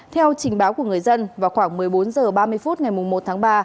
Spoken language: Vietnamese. theo trình báo của người dân vào khoảng một mươi bốn h ba mươi phút ngày một tháng ba